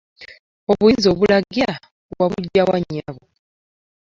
Obuyinza obulagira wabuggya wa nnyabo?